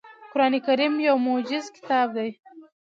قرآن کریم یو معجز کتاب دی .